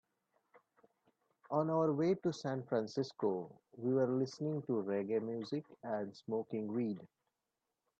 On our way to San Francisco, we were listening to reggae music and smoking weed.